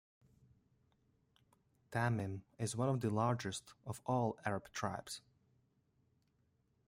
Tamim is one of the largest of all Arab tribes.